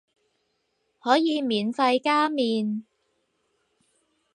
可以免費加麵